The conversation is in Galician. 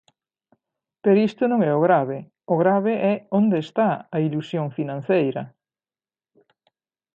Pero isto non é o grave, o grave é onde está a ilusión financeira.